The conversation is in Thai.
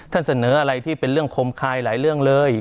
ท่านเสนออะไรที่เป็นเรื่องขมคายหลายเลย